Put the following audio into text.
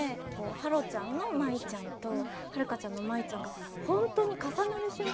芭路ちゃんの舞ちゃんと遥ちゃんの舞ちゃんが本当に重なる瞬間が多くて。